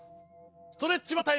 ストレッチマン！